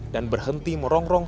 dan berhenti merongrong